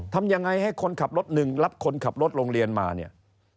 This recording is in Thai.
ทำยังไงให้คนขับรถหนึ่งรับคนขับรถโรงเรียนมาเนี่ย